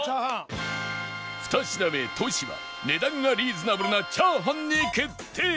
２品目トシは値段がリーズナブルなチャーハンに決定！